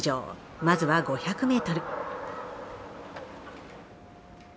まずは５００ｍ。